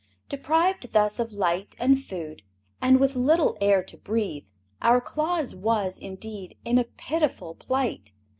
Deprived thus of light and food, and with little air to breathe, our Claus was, indeed, in a pitiful plight.